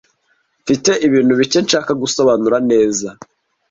Mfite ibintu bike nshaka gusobanura neza.